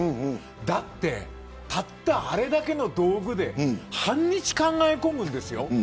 だって、たったあれだけの道具で半日考え込むんですよ。